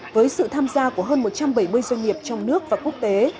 với sự tham gia của hơn một trăm bảy mươi doanh nghiệp trong nước và quốc tế